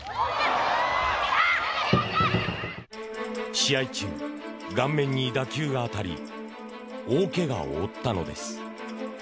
試合中、顔面に打球が当たり大けがを負ったのです。